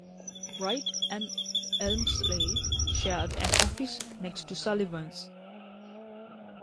Wright and Elmslie shared an office next to Sullivan's.